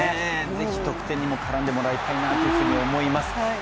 ぜひ得点にも絡んでもらいたいなと思います。